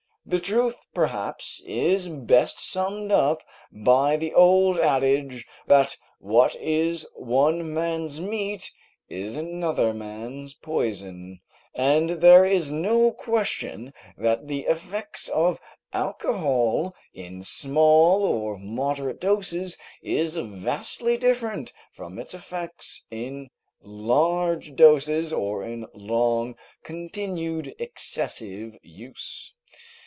The truth, perhaps, is best summed up by the old adage that what is one man's meat is another man's poison, and there is no question that the effects of alcohol in small or moderate doses is vastly different from its effects in large doses, or in long continued, excessive use.